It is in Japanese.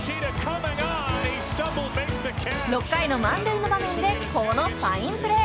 ６回の満塁の場面でこのファインプレー。